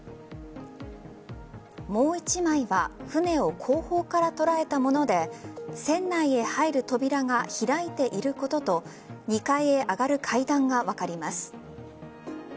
もう１枚は船を後方から捉えたもので船内へ入る扉が開いていることと２階へ上がる階段が分かります。